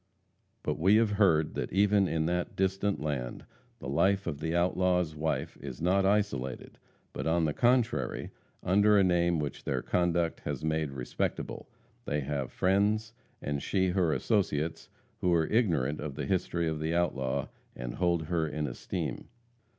But we have heard that even in that distant land the life of the outlaw's wife is not isolated, but, on the contrary, under a name which their conduct has made respectable, they have friends, and she her associates, who are ignorant of the history of the outlaw, and hold her in esteem.